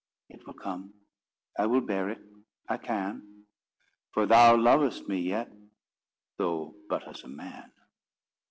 It will come. I will bear it. I can. For thou lovest me yet—though but as a man."